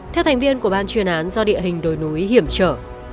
theo thành viên của ban chuyên án do địa hình đồi núi hiểm trở